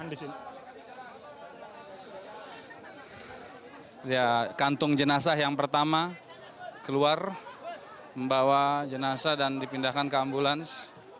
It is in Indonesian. di sini kantung jenazah yang pertama keluar membawa jenazah dan dipindahkan ke ambulans